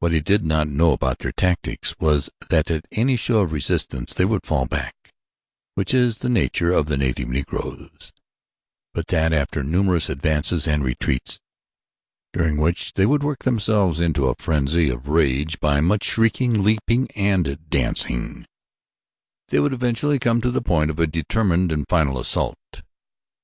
What he did not know about their tactics was that at any show of resistance they would fall back, which is the nature of the native Negroes, but that after numerous advances and retreats, during which they would work themselves into a frenzy of rage by much shrieking, leaping, and dancing, they would eventually come to the point of a determined and final assault.